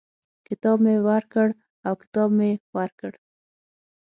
کتاب مي ورکړ او کتاب مې ورکړ.